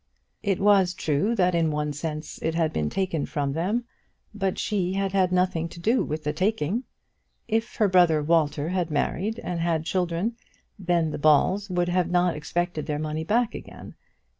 It was true that in one sense it had been taken from them, but she had had nothing to do with the taking. If her brother Walter had married and had children, then the Balls would have not expected the money back again.